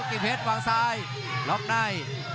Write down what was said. กิจเพชรวางซ้ายล็อกใน